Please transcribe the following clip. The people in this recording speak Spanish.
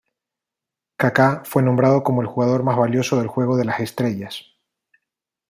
Kaká fue nombrado como el jugador más valioso del juego de las estrellas.